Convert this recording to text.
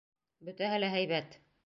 Бөтәһе лә һәйбәт.